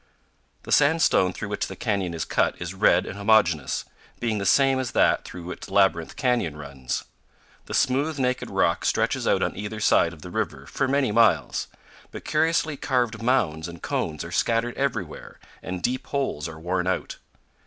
The sandstone through which the canyon is cut is red and homogeneous, being the same as that through which Labyrinth Canyon runs. The smooth, naked rock stretches out on either side of the river for many miles, but curiously carved mounds and cones are scattered everywhere and deep holes are worn out.